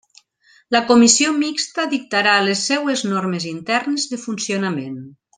La Comissió Mixta dictarà les seues normes internes de funcionament.